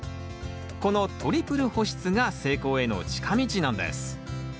このトリプル保湿が成功への近道なんです